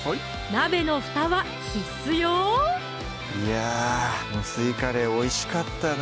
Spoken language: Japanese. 鍋のふたは必須よいや無水カレーおいしかったな